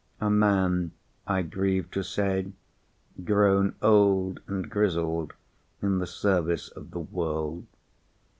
A man, I grieve to say, grown old and grizzled in the service of the world.